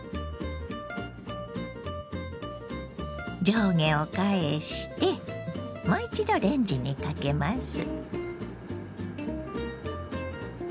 上下を返してもう一度レンジにかけます。